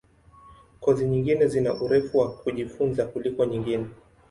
Kozi nyingine zina urefu wa kujifunza kuliko nyingine.